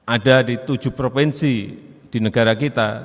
ada di tujuh provinsi di negara kita